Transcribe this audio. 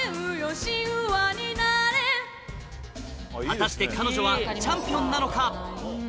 果たして彼女はチャンピオンなのか？